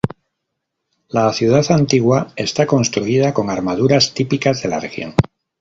La ciudad antigua está construida con armaduras, típicas de la región.